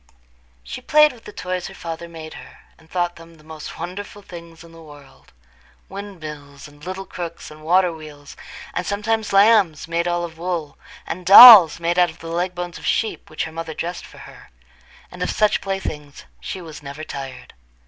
She played with the toys her father made her, and thought them the most wonderful things in the world—windmills, and little crooks, and water wheels, and sometimes lambs made all of wool, and dolls made out of the leg bones of sheep, which her mother dressed for her; and of such playthings she was never tired.